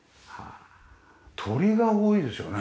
鳥が多いですよね。